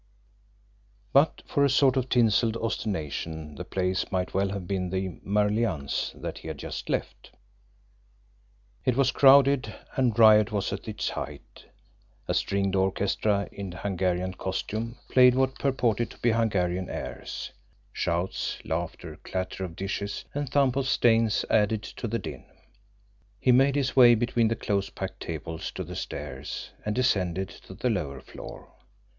But for a sort of tinselled ostentation the place might well have been the Marlianne's that he had just left it was crowded and riot was at its height; a stringed orchestra in Hungarian costume played what purported to be Hungarian airs; shouts, laughter, clatter of dishes, and thump of steins added to the din. He made his way between the close packed tables to the stairs, and descended to the lower floor.